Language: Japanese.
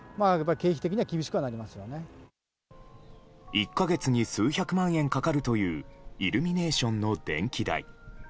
１か月に数百万円かかるというイルミネーションの電気代。